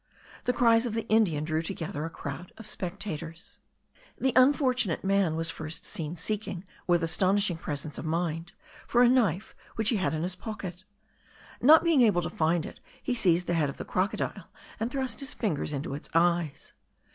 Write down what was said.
The cries of the Indian drew together a crowd of spectators. This unfortunate man was first seen seeking, with astonishing presence of mind, for a knife which he had in his pocket. Not being able to find it, he seized the head of the crocodile and thrust his fingers into its eyes.